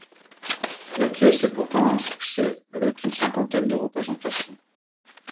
La pièce est pourtant un succès avec une cinquantaine de représentations.